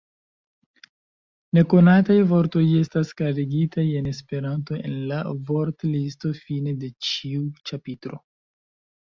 Nekonataj vortoj estas klarigitaj en Esperanto en la vortlisto fine de ĉiu ĉapitro.